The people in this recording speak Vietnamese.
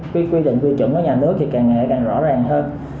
quy định quy truẩn của nhà nước thì càng rõ ràng hơn